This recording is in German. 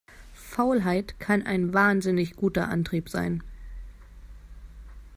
Faulheit kann ein wahnsinnig guter Antrieb sein.